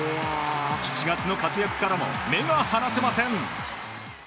７月の活躍からも目が離せません。